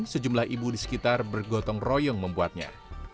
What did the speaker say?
sejumlah ibu di sekitar bergotong royong membuatnya